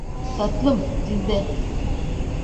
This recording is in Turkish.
Tatlım, dinle.